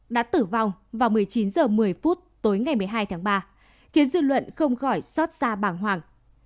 đã tử vong vào một mươi chín h một mươi phút tối ngày một mươi hai tháng ba khiến dư luận không khỏi xót xa bàng hoàng